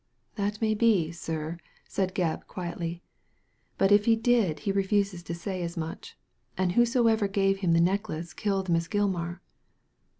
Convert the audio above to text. "That may be, sir," said Gebb, quietly ; "but if he did he refuses to say as much. And whosoever gave him the necklace killed Miss Gilmar."